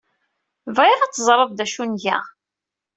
Bɣiɣ ad teẓred d acu ay nga.